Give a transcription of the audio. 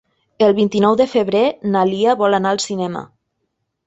El vint-i-nou de febrer na Lia vol anar al cinema.